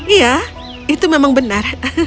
iya itu memang benar